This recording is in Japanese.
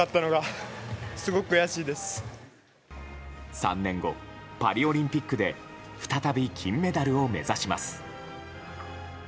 ３年後、パリオリンピックで再び金メダルを目指します。